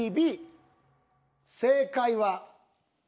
正解は。